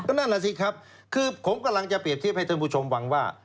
นั่นน่ะสิครับคือผมกำลังจะเปรียบเทียบให้ท่านผู้ชมฟังว่า